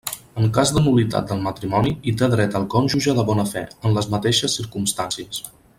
En cas de nul·litat del matrimoni, hi té dret el cònjuge de bona fe, en les mateixes circumstàncies.